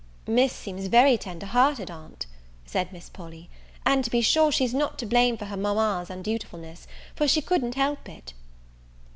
"Miss seems very tender hearted, aunt," said Miss Polly; "and to be sure she's not to blame for her mama's undutifulness, for she couldn't help it."